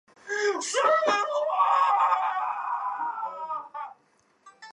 京房人。